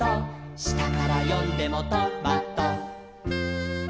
「したからよんでもト・マ・ト」